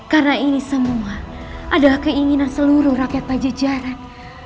karena ini semua adalah keinginan seluruh rakyat pajajaran